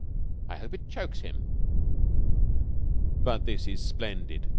I hope it chokes him." "But this is splendid!